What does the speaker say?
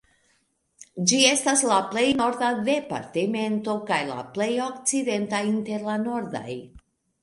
Ĝi estas la plej norda departemento kaj la plej okcidenta inter la nordaj.